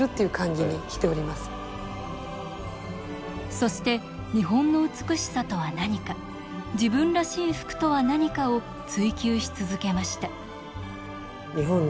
そして日本の美しさとは何か自分らしい服とは何かを追求し続けました。